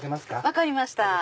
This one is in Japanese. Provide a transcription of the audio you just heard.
分かりました。